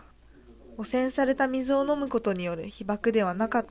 汚染された水を飲むことによる被曝ではなかったのか。